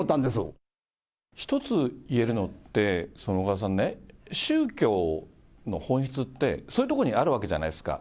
一つ言えるのって、小川さんね、宗教の本質って、そういうところにあるわけじゃないですか。